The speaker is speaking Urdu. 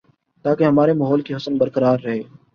تاکہ ہمارے ماحول کی حسن برقرار رہے